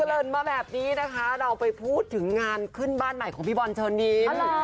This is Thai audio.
เลินมาแบบนี้นะคะเราไปพูดถึงงานขึ้นบ้านใหม่ของพี่บอลเชิญยิ้ม